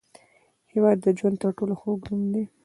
هېواد د ژوند تر ټولو خوږ نوم دی.